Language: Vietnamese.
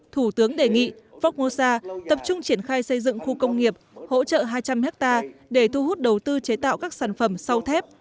thủ tướng đề nghị phongmosa tập trung triển khai xây dựng khu công nghiệp hỗ trợ hai trăm linh ha để thu hút đầu tư chế tạo các sản phẩm sau thép